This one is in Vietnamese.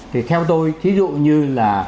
thì theo tôi ví dụ như là